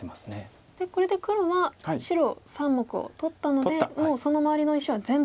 これで黒は白３目を取ったのでもうその周りの石は全部。